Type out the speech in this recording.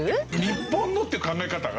日本のっていう考え方が。